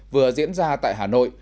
vừa diễn ra tại hà nội